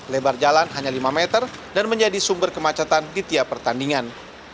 lebar jalan hanya lima meter dan menjadi sumber kemacetan di tiap pertandingan